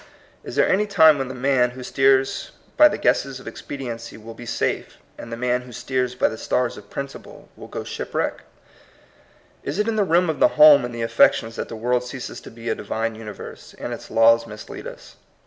Is there any time when the man who steers by the guesses of expediency will be safe, and the man who steers by the stars of principle will go to shipwreck ? Is it in the realm of the home and the affections that the world ceases to be a Divine universe, and its laws mislead us?